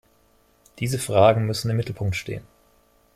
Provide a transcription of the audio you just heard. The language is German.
Diese Fragen müssen im Mittelpunkt stehen.